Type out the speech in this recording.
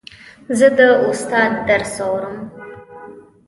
زه د استاد درس اورم.